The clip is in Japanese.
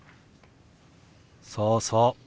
そうそう。